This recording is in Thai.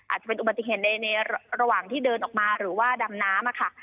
อาจจะเป็นอุบัติเหตุในระหว่างที่เดินออกมาหรือว่าดำน้ำค่ะ